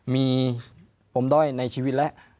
มีปมด้อยในชีวิตแล้ว